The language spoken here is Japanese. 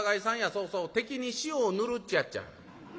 そうそう『敵に塩を塗る』っちゅうやっちゃ」。